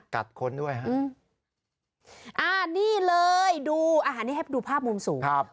คนด้วยฮะอ่านี่เลยดูอาหารนี้ให้ดูภาพมุมสูงครับ